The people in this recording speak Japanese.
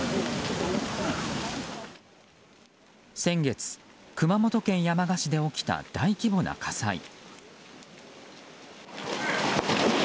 先月、熊本県山鹿市で起きた大規模な火災。